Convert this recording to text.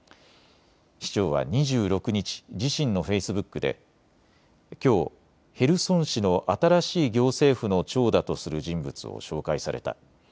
市長は２６日、自身のフェイスブックできょうヘルソン市の新しい行政府の長だとする人物を紹介された。